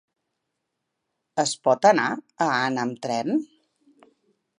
Es pot anar a Anna amb tren?